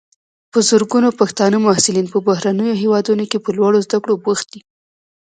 په زرګونو پښتانه محصلین په بهرنیو هیوادونو کې په لوړو زده کړو بوخت دي.